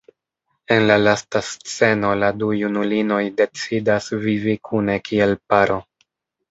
En la lasta sceno la du junulinoj decidas vivi kune kiel paro.